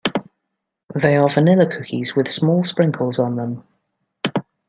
They are vanilla cookies with small sprinkles on them.